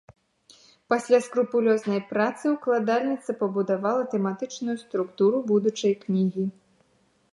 Пасля скрупулёзнай працы ўкладальніца пабудавала тэматычную структуру будучай кнігі.